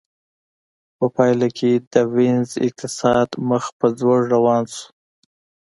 په پایله کې د وینز اقتصاد مخ په ځوړ روان شو